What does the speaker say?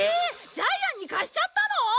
ジャイアンに貸しちゃったの！？